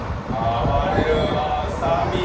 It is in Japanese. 「あばれる」「スタミナ」。